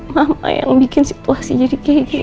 mama yang bikin situasi jadi kayak gitu